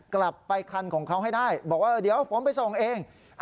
กลับไปคันของเขาให้ได้บอกว่าเดี๋ยวผมไปส่งเอง